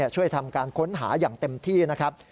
ช่วยทำการค้นหาอย่างเต็มที่นะครับ